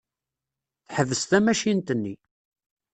Teḥbes tamacint-nni.